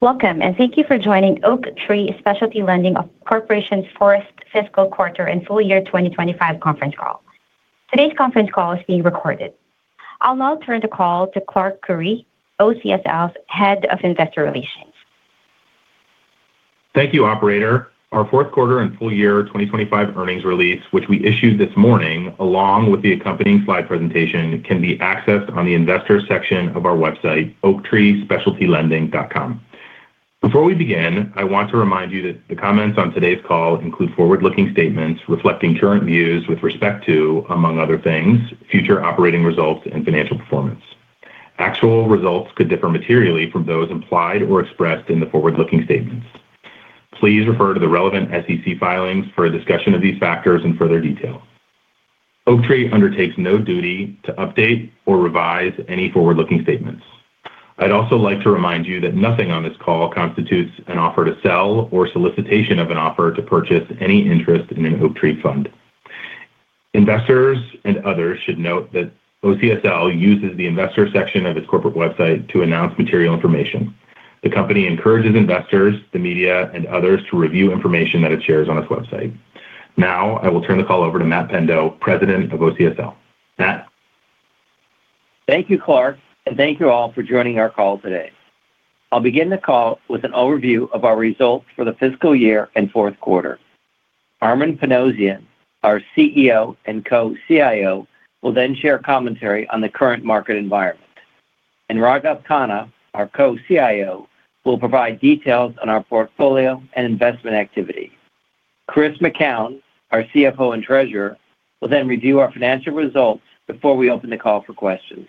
Welcome, and thank you for joining Oaktree Specialty Lending Corporation's Fourth Fiscal Quarter and Full Year 2025 conference call. Today's conference call is being recorded. I'll now turn the call to Clark Koury, OCSL's Head of Investor Relations. Thank you, Operator. Our 4th quarter and full year 2025 earnings release, which we issued this morning along with the accompanying slide presentation, can be accessed on the Investor section of our website, oaktreespecialtylending.com. Before we begin, I want to remind you that the comments on today's call include forward-looking statements reflecting current views with respect to, among other things, future operating results and financial performance. Actual results could differ materially from those implied or expressed in the forward-looking statements. Please refer to the relevant SEC filings for a discussion of these factors in further detail. Oaktree undertakes no duty to update or revise any forward-looking statements. I'd also like to remind you that nothing on this call constitutes an offer to sell or solicitation of an offer to purchase any interest in an Oaktree fund. Investors and others should note that OCSL uses the Investor section of its corporate website to announce material information. The company encourages investors, the media, and others to review information that it shares on its website. Now, I will turn the call over to Matt Pendo, President of OCSL. Matt. Thank you, Clark, and thank you all for joining our call today. I'll begin the call with an overview of our results for the fiscal year and fourth quarter. Armen Panossian, our CEO and co-CIO, will then share commentary on the current market environment. Raghav Khanna, our co-CIO, will provide details on our portfolio and investment activity. Chris McKown, our CFO and Treasurer, will then review our financial results before we open the call for questions.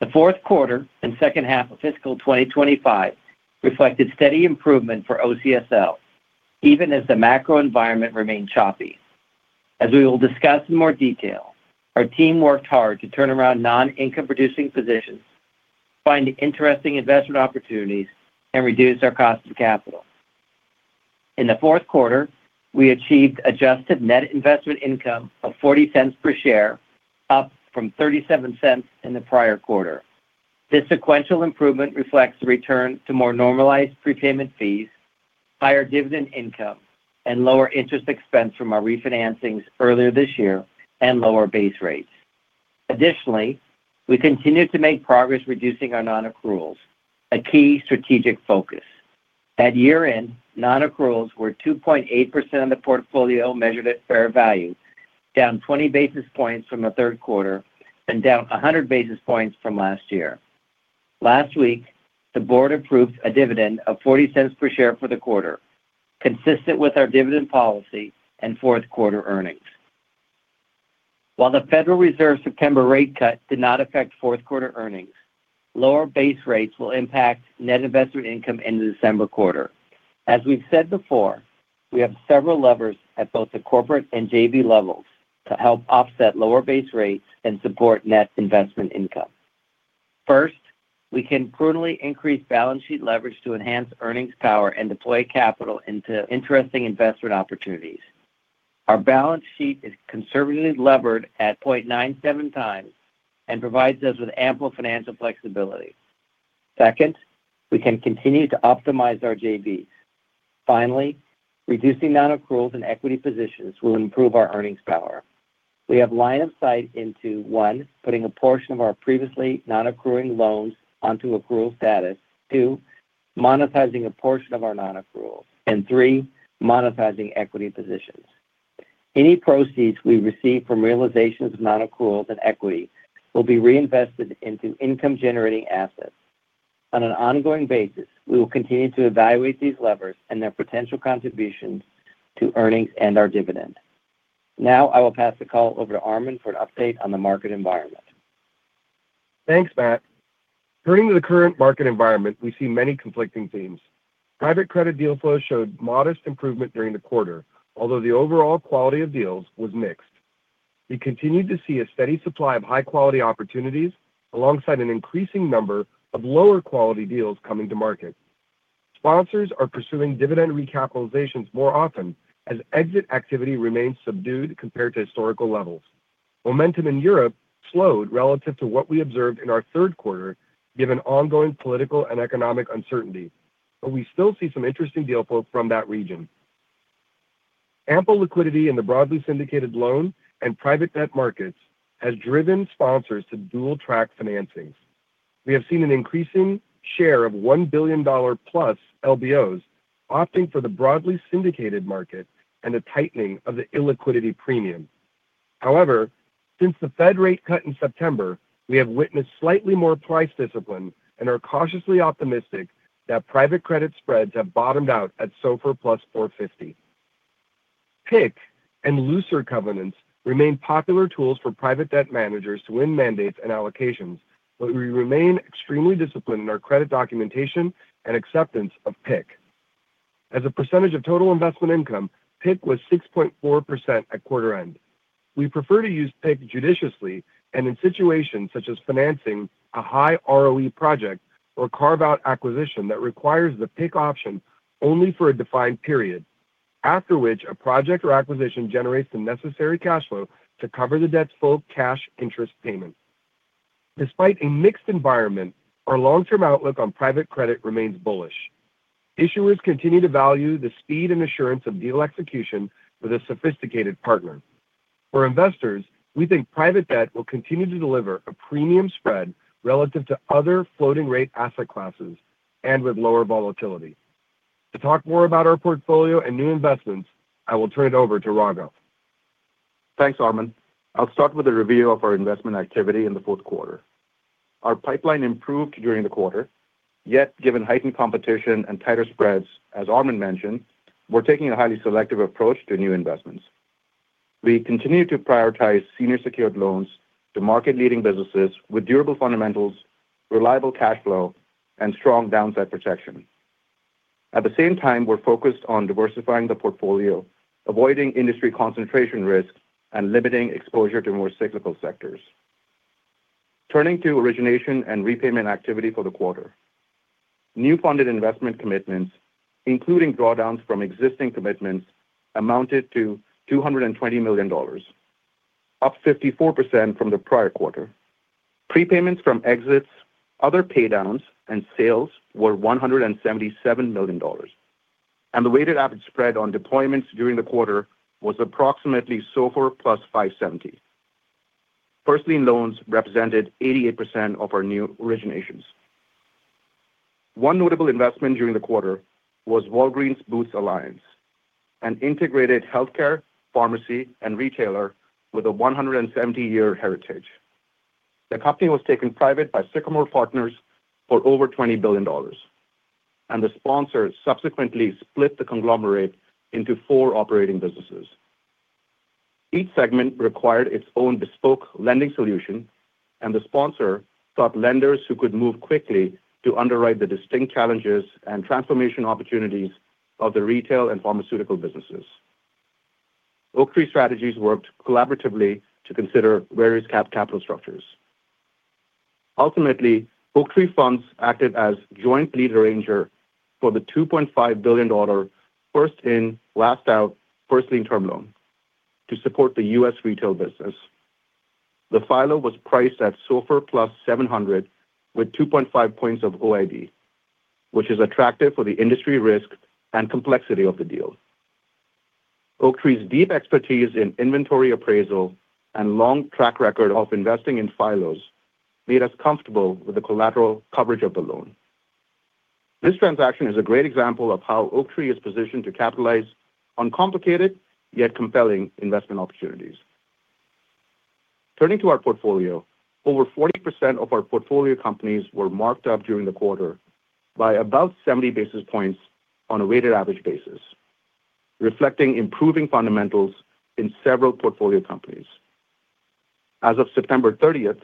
The fourth quarter and second half of fiscal 2025 reflected steady improvement for OCSL, even as the macro environment remained choppy. As we will discuss in more detail, our team worked hard to turn around non-income-producing positions, find interesting investment opportunities, and reduce our cost of capital. In the fourth quarter, we achieved adjusted net investment income of $0.40 per share, up from $0.37 in the prior quarter. This sequential improvement reflects the return to more normalized prepayment fees, higher dividend income, and lower interest expense from our refinancings earlier this year and lower base rates. Additionally, we continue to make progress reducing our non-accruals, a key strategic focus. At year-end, non-accruals were 2.8% of the portfolio measured at fair value, down 20 basis points from the third quarter and down 100 basis points from last year. Last week, the board approved a dividend of $0.40 per share for the quarter, consistent with our dividend policy and 4th quarter earnings. While the Federal Reserve's September rate cut did not affect 4th quarter earnings, lower base rates will impact net investment income in the December quarter. As we've said before, we have several levers at both the corporate and JV levels to help offset lower base rates and support net investment income. 1st, we can prudently increase balance sheet leverage to enhance earnings power and deploy capital into interesting investment opportunities. Our balance sheet is conservatively levered at 0.97 times and provides us with ample financial flexibility. 2nd, we can continue to optimize our JVs. Finally, reducing non-accruals in equity positions will improve our earnings power. We have line of sight into: one, putting a portion of our previously non-accruing loans onto accrual status; two, monetizing a portion of our non-accruals; and three, monetizing equity positions. Any proceeds we receive from realizations of non-accruals in equity will be reinvested into income-generating assets. On an ongoing basis, we will continue to evaluate these levers and their potential contributions to earnings and our dividend. Now, I will pass the call over to Armen for an update on the market environment. Thanks, Matt. Turning to the current market environment, we see many conflicting themes. Private credit deal flows showed modest improvement during the quarter, although the overall quality of deals was mixed. We continue to see a steady supply of high-quality opportunities alongside an increasing number of lower-quality deals coming to market. Sponsors are pursuing dividend recapitalizations more often as exit activity remains subdued compared to historical levels. Momentum in Europe slowed relative to what we observed in our 3rd quarter given ongoing political and economic uncertainty, but we still see some interesting deal flow from that region. Ample liquidity in the broadly syndicated loan and private debt markets has driven sponsors to dual-track financings. We have seen an increasing share of $1 billion-plus LBOs opting for the broadly syndicated market and a tightening of the illiquidity premium. However, since the Fed rate cut in September, we have witnessed slightly more price discipline and are cautiously optimistic that private credit spreads have bottomed out at SOFR plus 450. PIC and LUCIR covenants remain popular tools for private debt managers to win mandates and allocations, but we remain extremely disciplined in our credit documentation and acceptance of PIC. As a percentage of total investment income, PIC was 6.4% at quarter end. We prefer to use PIC judiciously and in situations such as financing a high ROE project or carve-out acquisition that requires the PIC option only for a defined period, after which a project or acquisition generates the necessary cash flow to cover the debt's full cash interest payment. Despite a mixed environment, our long-term outlook on private credit remains bullish. Issuers continue to value the speed and assurance of deal execution with a sophisticated partner. For investors, we think private debt will continue to deliver a premium spread relative to other floating-rate asset classes and with lower volatility. To talk more about our portfolio and new investments, I will turn it over to Raghav. Thanks, Armen. I'll start with a review of our investment activity in the fourth quarter. Our pipeline improved during the quarter, yet given heightened competition and tighter spreads, as Armen mentioned, we're taking a highly selective approach to new investments. We continue to prioritize senior-secured loans to market-leading businesses with durable fundamentals, reliable cash flow, and strong downside protection. At the same time, we're focused on diversifying the portfolio, avoiding industry concentration risk, and limiting exposure to more cyclical sectors. Turning to origination and repayment activity for the quarter, new-funded investment commitments, including drawdowns from existing commitments, amounted to $220 million, up 54% from the prior quarter. Prepayments from exits, other paydowns, and sales were $177 million, and the weighted average spread on deployments during the quarter was approximately SOFR plus 570. First-lien loans represented 88% of our new originations. One notable investment during the quarter was Walgreens Boots Alliance, an integrated healthcare, pharmacy, and retailer with a 170-year heritage. The company was taken private by Sycamore Partners for over $20 billion, and the sponsor subsequently split the conglomerate into four operating businesses. Each segment required its own bespoke lending solution, and the sponsor sought lenders who could move quickly to underwrite the distinct challenges and transformation opportunities of the retail and pharmaceutical businesses. Oaktree Strategies worked collaboratively to consider various capital structures. Ultimately, Oaktree Funds acted as joint lead arranger for the $2.5 billion 1st-in, last-out, 1st-lien term loan to support the U.S. retail business. The loan was priced at SOFR plus 700 with 2.5 points of OIB, which is attractive for the industry risk and complexity of the deal. Oaktree's deep expertise in inventory appraisal and long track record of investing in filos made us comfortable with the collateral coverage of the loan. This transaction is a great example of how Oaktree is positioned to capitalize on complicated yet compelling investment opportunities. Turning to our portfolio, over 40% of our portfolio companies were marked up during the quarter by about 70 basis points on a weighted average basis, reflecting improving fundamentals in several portfolio companies. As of September 30th,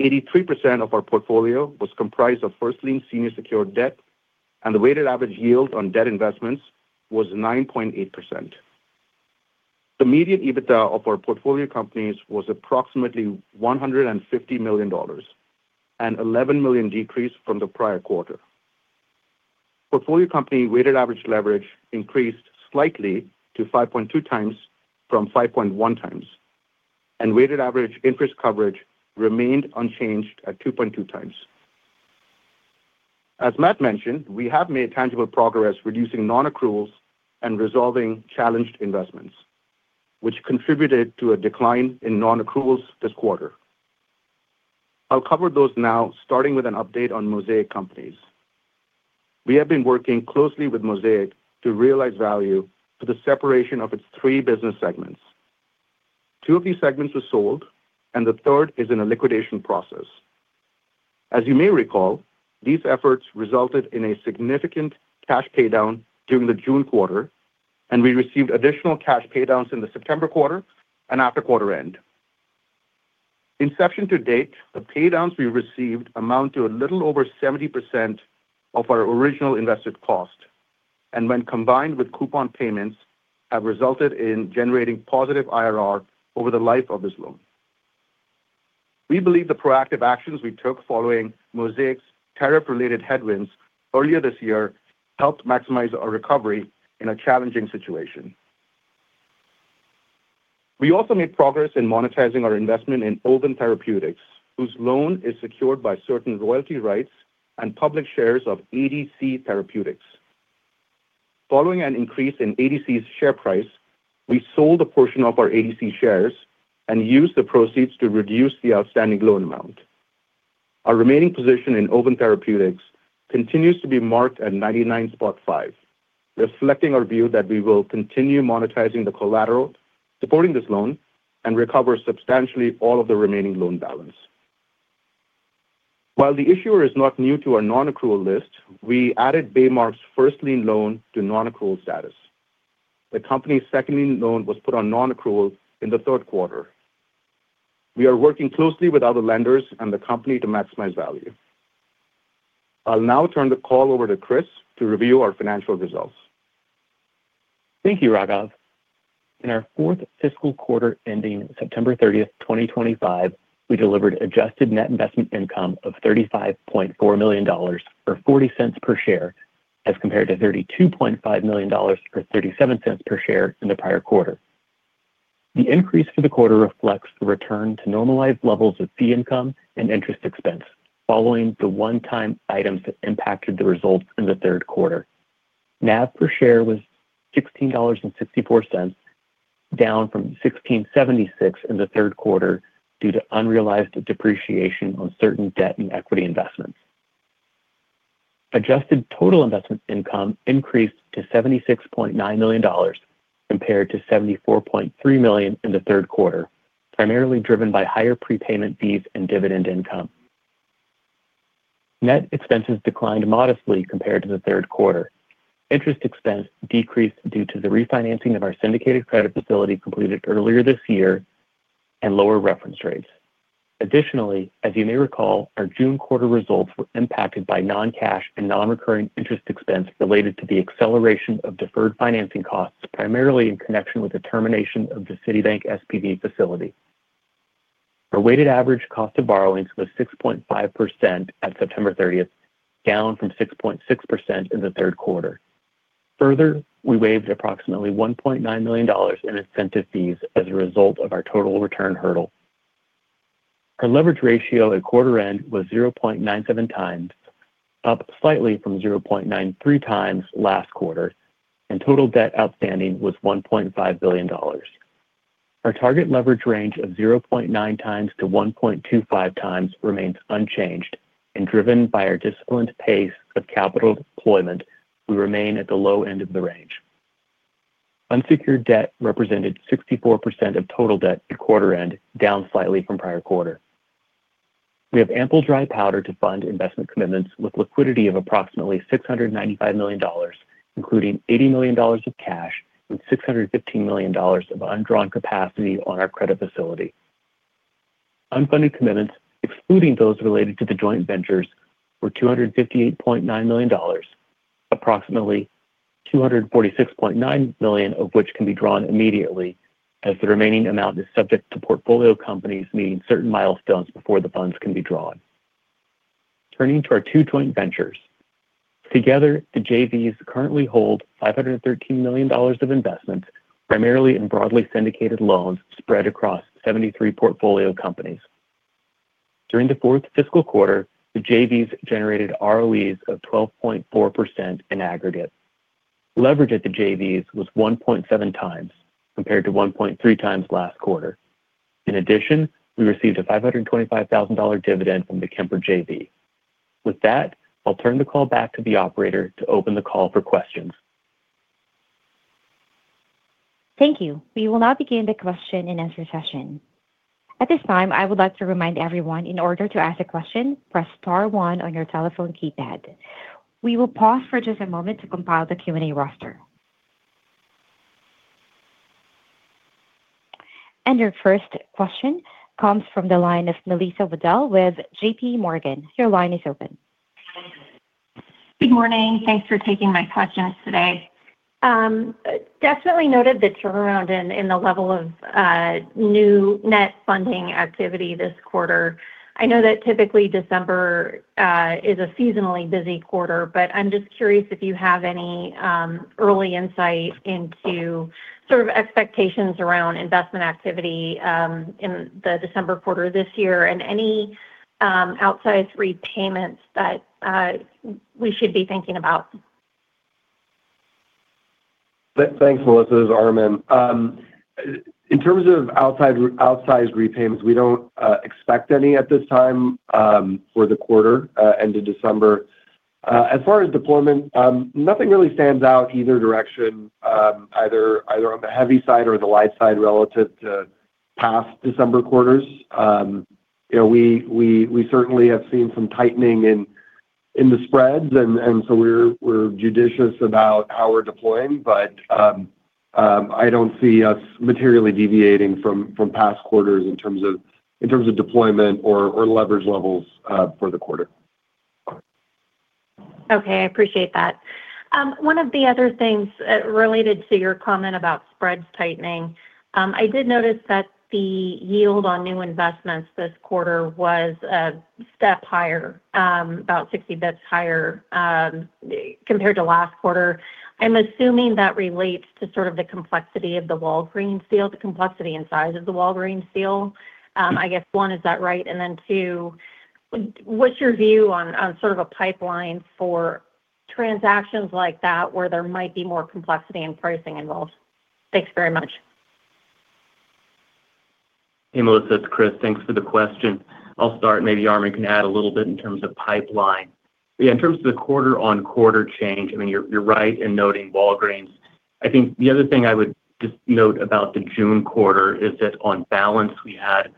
83% of our portfolio was comprised of first-lien senior-secured debt, and the weighted average yield on debt investments was 9.8%. The median EBITDA of our portfolio companies was approximately $150 million, an $11 million decrease from the prior quarter. Portfolio company weighted average leverage increased slightly to 5.2 times from 5.1 times, and weighted average interest coverage remained unchanged at 2.2 times. As Matt mentioned, we have made tangible progress reducing non-accruals and resolving challenged investments, which contributed to a decline in non-accruals this quarter. I'll cover those now, starting with an update on Mosaic Companies. We have been working closely with Mosaic to realize value for the separation of its three business segments. Two of these segments were sold, and the third is in a liquidation process. As you may recall, these efforts resulted in a significant cash paydown during the June quarter, and we received additional cash paydowns in the September quarter and after quarter end. Inception to date, the paydowns we received amount to a little over 70% of our original invested cost, and when combined with coupon payments, have resulted in generating positive IRR over the life of this loan. We believe the proactive actions we took following Mosaic's tariff-related headwinds earlier this year helped maximize our recovery in a challenging situation. We also made progress in monetizing our investment in Oven Therapeutics, whose loan is secured by certain royalty rights and public shares of ADC Therapeutics. Following an increase in ADC's share price, we sold a portion of our ADC shares and used the proceeds to reduce the outstanding loan amount. Our remaining position in Oven Therapeutics continues to be marked at 99.5, reflecting our view that we will continue monetizing the collateral supporting this loan and recover substantially all of the remaining loan balance. While the issuer is not new to our non-accrual list, we added Baymar's first-lien loan to non-accrual status. The company's second-lien loan was put on non-accrual in the third quarter. We are working closely with other lenders and the company to maximize value. I'll now turn the call over to Chris to review our financial results. Thank you, Raghav. In our 4th fiscal quarter ending September 30, 2025, we delivered adjusted net investment income of $35.4 million or $0.40 per share as compared to $32.5 million or $0.37 per share in the prior quarter. The increase for the quarter reflects the return to normalized levels of fee income and interest expense following the one-time items that impacted the results in the 3rd quarter. NAV per share was $16.64, down from $16.76 in the 3rd quarter due to unrealized depreciation on certain debt and equity investments. Adjusted total investment income increased to $76.9 million compared to $74.3 million in the 3rd quarter, primarily driven by higher prepayment fees and dividend income. Net expenses declined modestly compared to the 3rd quarter. Interest expense decreased due to the refinancing of our syndicated credit facility completed earlier this year and lower reference rates. Additionally, as you may recall, our June quarter results were impacted by non-cash and non-recurring interest expense related to the acceleration of deferred financing costs, primarily in connection with the termination of the Citibank SPV facility. Our weighted average cost of borrowings was 6.5% at September 30, down from 6.6% in the third quarter. Further, we waived approximately $1.9 million in incentive fees as a result of our total return hurdle. Our leverage ratio at quarter end was 0.97 times, up slightly from 0.93 times last quarter, and total debt outstanding was $1.5 billion. Our target leverage range of 0.9 times-1.25 times remains unchanged, and driven by our disciplined pace of capital deployment, we remain at the low end of the range. Unsecured debt represented 64% of total debt at quarter end, down slightly from prior quarter. We have ample dry powder to fund investment commitments with liquidity of approximately $695 million, including $80 million of cash and $615 million of undrawn capacity on our credit facility. Unfunded commitments, excluding those related to the joint ventures, were $258.9 million, approximately $246.9 million of which can be drawn immediately, as the remaining amount is subject to portfolio companies meeting certain milestones before the funds can be drawn. Turning to our two joint ventures, together, the JVs currently hold $513 million of investments, primarily in broadly syndicated loans spread across 73 portfolio companies. During the fourth fiscal quarter, the JVs generated ROEs of 12.4% in aggregate. Leverage at the JVs was 1.7 times compared to 1.3 times last quarter. In addition, we received a $525,000 dividend from the Kemper JV. With that, I'll turn the call back to the operator to open the call for questions. Thank you. We will now begin the question and answer session. At this time, I would like to remind everyone, in order to ask a question, press star one on your telephone keypad. We will pause for just a moment to compile the Q&A roster. Your 1st question comes from the line of Melissa Waddell with JPMorgan. Your line is open. Good morning. Thanks for taking my questions today. Definitely noted the turnaround in the level of new net funding activity this quarter. I know that typically December is a seasonally busy quarter, but I'm just curious if you have any early insight into sort of expectations around investment activity in the December quarter this year and any outsized repayments that we should be thinking about. Thanks, Melissa. This is Armen. In terms of outsized repayments, we do not expect any at this time for the quarter end of December. As far as deployment, nothing really stands out either direction, either on the heavy side or the light side relative to past December quarters. We certainly have seen some tightening in the spreads, and so we are judicious about how we are deploying, but I do not see us materially deviating from past quarters in terms of deployment or leverage levels for the quarter. Okay. I appreciate that. One of the other things related to your comment about spreads tightening, I did notice that the yield on new investments this quarter was a step higher, about 60 basis points higher compared to last quarter. I'm assuming that relates to sort of the complexity of the Walgreens deal, the complexity and size of the Walgreens deal. I guess, one, is that right? Two, what's your view on sort of a pipeline for transactions like that where there might be more complexity and pricing involved? Thanks very much. Hey, Melissa. It's Chris. Thanks for the question. I'll start. Maybe Armen can add a little bit in terms of pipeline. Yeah, in terms of the quarter-on-quarter change, I mean, you're right in noting Walgreens. I think the other thing I would just note about the June quarter is that on balance, we had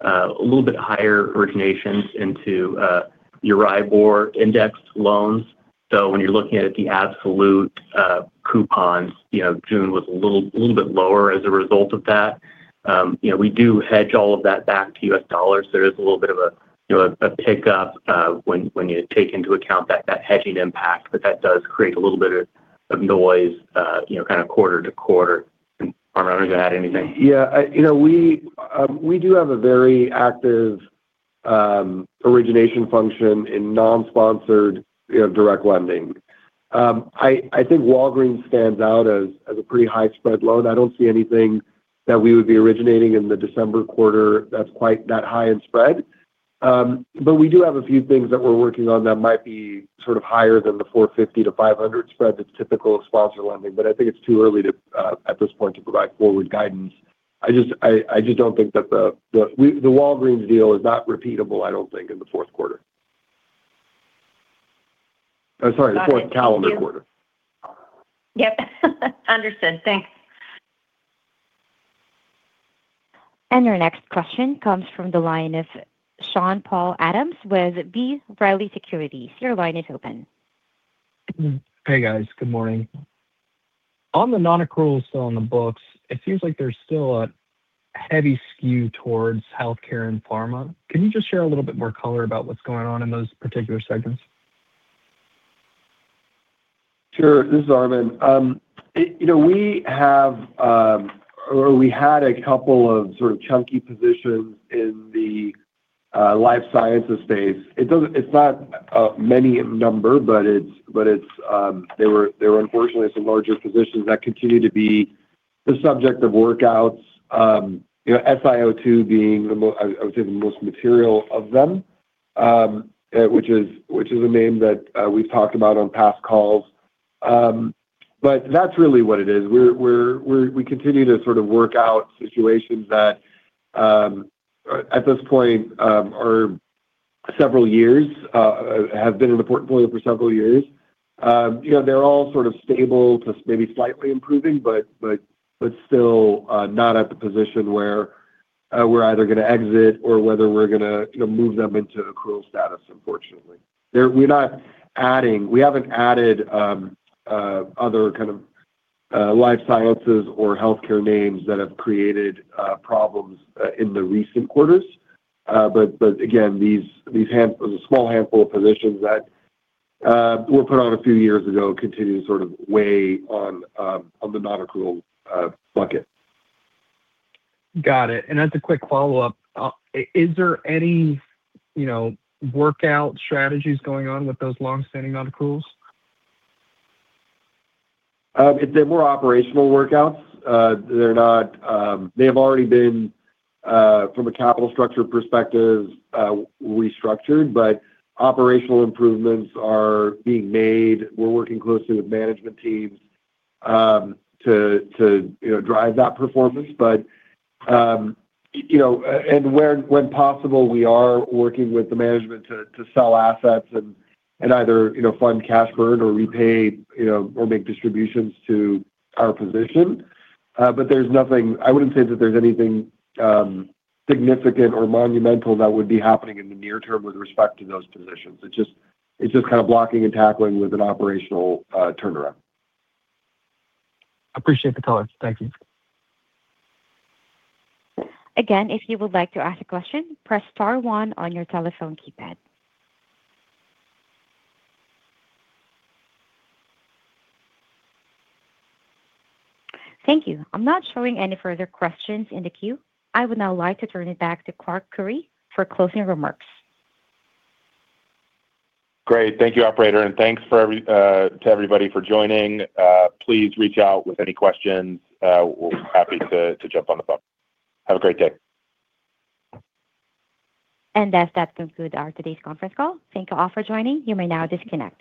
a little bit higher originations into your IBOR indexed loans. So when you're looking at the absolute coupons, June was a little bit lower as a result of that. We do hedge all of that back to U.S. dollars. There is a little bit of a pickup when you take into account that hedging impact, but that does create a little bit of noise kind of quarter to quarter. Armen, are you going to add anything? Yeah. We do have a very active origination function in non-sponsored direct lending. I think Walgreens stands out as a pretty high spread loan. I do not see anything that we would be originating in the December quarter that is quite that high in spread. We do have a few things that we are working on that might be sort of higher than the 450-500 spread that is typical of sponsor lending, but I think it is too early at this point to provide forward guidance. I just do not think that the Walgreens deal is repeatable, I do not think, in the fourth quarter. Sorry, the fourth calendar quarter. Yep. Understood. Thanks. Our next question comes from the line of Sean Paul Adams with B Riley Securities. Your line is open. Hey, guys. Good morning. On the non-accrual still on the books, it seems like there's still a heavy skew towards healthcare and pharma. Can you just share a little bit more color about what's going on in those particular segments? Sure. This is Armen. We have or we had a couple of sort of chunky positions in the life sciences space. It's not many in number, but they were, unfortunately, some larger positions that continue to be the subject of workouts, SIO2 being, I would say, the most material of them, which is a name that we've talked about on past calls. That is really what it is. We continue to sort of work out situations that, at this point, are several years, have been in the portfolio for several years. They're all sort of stable to maybe slightly improving, but still not at the position where we're either going to exit or whether we're going to move them into accrual status, unfortunately. We haven't added other kind of life sciences or healthcare names that have created problems in the recent quarters. Again, there's a small handful of positions that were put on a few years ago continue to sort of weigh on the non-accrual bucket. Got it. As a quick follow-up, is there any workout strategies going on with those long-standing non-accruals? They're more operational workouts. They have already been, from a capital structure perspective, restructured, but operational improvements are being made. We're working closely with management teams to drive that performance. When possible, we are working with the management to sell assets and either fund cash burn or repay or make distributions to our position. I wouldn't say that there's anything significant or monumental that would be happening in the near term with respect to those positions. It's just kind of blocking and tackling with an operational turnaround. Appreciate the color. Thank you. Again, if you would like to ask a question, press star one on your telephone keypad. Thank you. I'm not showing any further questions in the queue. I would now like to turn it back to Clark Koury for closing remarks. Great. Thank you, operator. Thank you to everybody for joining. Please reach out with any questions. We're happy to jump on the phone. Have a great day. That concludes our today's conference call. Thank you all for joining. You may now disconnect.